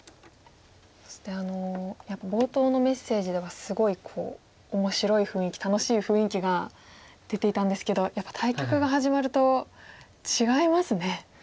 そしてやっぱり冒頭のメッセージではすごい面白い雰囲気楽しい雰囲気が出ていたんですけどやっぱり対局が始まると違いますね。